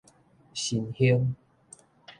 新興